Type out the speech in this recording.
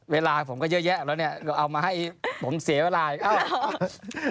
เวลาผมก็เยอะแยะเอามาให้ผมเสียเวลาอีก